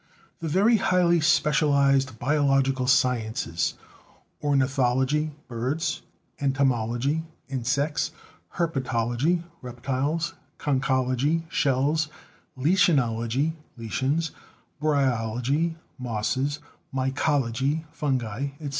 The very highly specialized biological sciences, ornithology (birds), entomology (insects), herpetology (reptiles), conchology (shells), lichenology (lichens), bryology (mosses), mycology (fungi), etc.